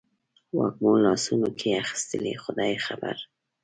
وږمو لاسونو کې اخیستي خدای خبر